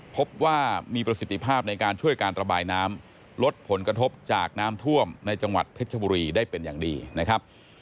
พบว่ามีประสิทธิภาพในการช่วยการระบายน้ำลดผลกระทบจากน้ำท่วมในจังหวัดเพชรบุรีได้เป็นอย่างดีนะครับ